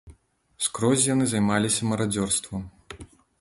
Скрозь яны займаліся марадзёрствам.